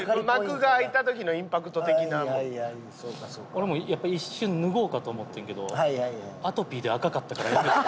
パッと俺もやっぱ一瞬脱ごうかと思ってんけどアトピーで赤かったからやめた。